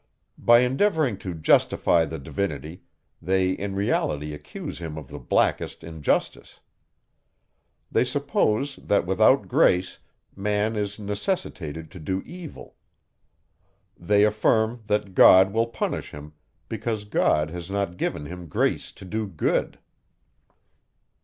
By endeavouring to justify the Divinity, they in reality accuse him of the blackest injustice. They suppose, that without grace, man is necessitated to do evil. They affirm, that God will punish him, because God has not given him grace to do good!